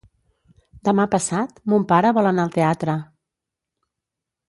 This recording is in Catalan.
Demà passat mon pare vol anar al teatre.